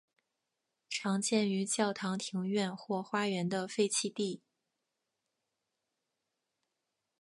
常见于教堂庭院或花园的废弃地。